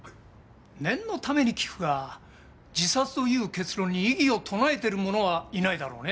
念のために聞くが自殺という結論に異議を唱えてる者はいないだろうね？